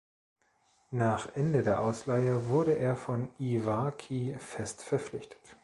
Nach Ende der Ausleihe wurde er von Iwaki fest verpflichtet.